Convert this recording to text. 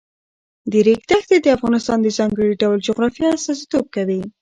د ریګ دښتې د افغانستان د ځانګړي ډول جغرافیه استازیتوب کوي.